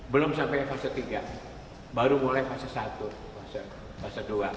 belum sampai fase tiga baru mulai fase satu fase dua